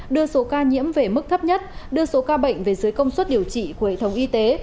đưa số ca nhiễm về mức thấp nhất đưa số ca bệnh về dưới công suất điều trị của hệ thống y tế